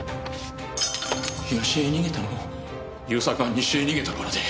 東へ逃げたのも勇作が西へ逃げたからで。